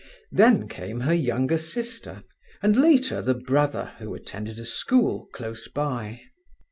Then came her younger sister, and later the brother, who attended a school close by.